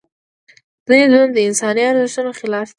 ځینې دودونه د انساني ارزښتونو خلاف دي.